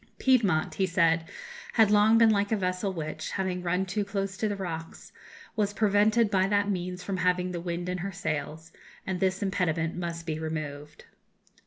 "Piedmont," he said, "had long been like a vessel which, having run too close to the rocks, was prevented by that means from having the wind in her sails, and this impediment must be removed."